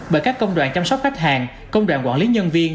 bởi các công đoạn chăm sóc khách hàng công đoàn quản lý nhân viên